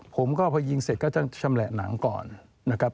ผมก็พอยิงเสร็จก็จะชำแหละหนังก่อนนะครับ